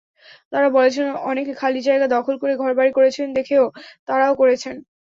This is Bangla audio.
তাঁরা বলেছেন, অনেকে খালি জায়গা দখল করে ঘরবাড়ি করছেন দেখে তাঁরাও করেছেন।